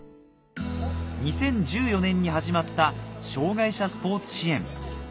２０１４年に始まった障がい者スポーツ支援